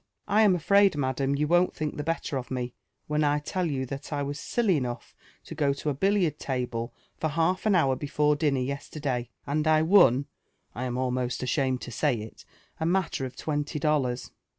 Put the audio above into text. I am afraid, madam, you won't Ihink the belter of me when I tell you that I was silly enough to go lo a billiard table for half an hotir before dinner yesterday — and I won, I am almost ashamed lo say it, a mailer of twenty dollars.